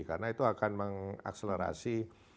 karena itu akan mengakselerasi